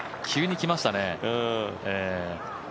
急に来ましたね。